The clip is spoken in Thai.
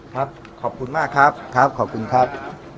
ขอบคุณมากครับครับขอบคุณครับ